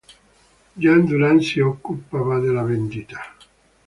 Jean Durand si occupava della vendita.